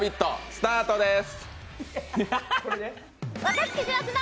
スタートです。